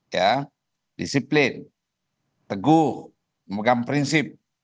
ya disiplin teguh memegang prinsip